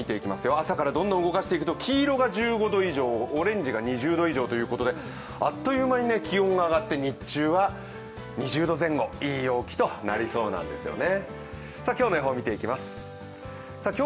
朝からどんどん動かしていくと黄色が１５度以上、オレンジは２０度以上ということで、あっという間に気温が上がって２０度前後、いい陽気となりそうなんですよね。